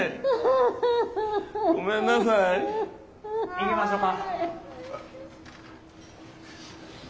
行きましょか。